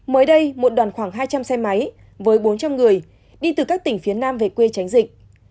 mới đây một đoàn khoảng hai trăm linh xe máy với bốn trăm linh người đi từ các tỉnh phía nam về quê tránh dịch